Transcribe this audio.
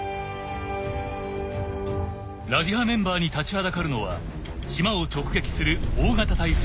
［ラジハメンバーに立ちはだかるのは島を直撃する大型台風。